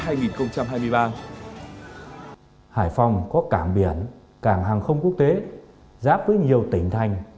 hải phòng có cảng biển cảng hàng không quốc tế giáp với nhiều tỉnh thành